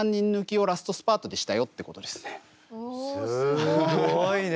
すごいね！